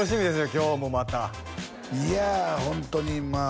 今日もまたいやホントにまあ